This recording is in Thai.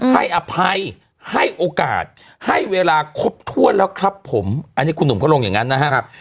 ให้อภัยให้โอกาสให้เวลาครบถ้วนแล้วครับผมอันนี้คุณหนุ่มเขาลงอย่างนั้นนะครับ